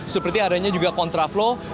seperti adanya juga kontraflo